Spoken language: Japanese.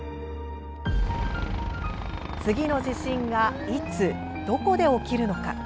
次の地震がいつ、どこで起きるのか？